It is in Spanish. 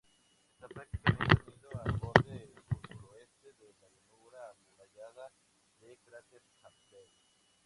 Está prácticamente unido al borde sur-sureste de la llanura amurallada del cráter Campbell.